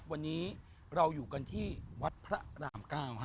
วันนี้เราอยู่กันที่วัดพระราม๙